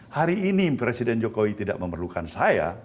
hari ini presiden jokowi tidak memerlukan saya